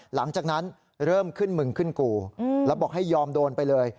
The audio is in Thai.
หลังจากนั้นเริ่มขึ้นมึงขึ้นกูแล้วบอกให้ยอมโดนไปเลย